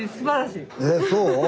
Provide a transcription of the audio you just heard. えっそう？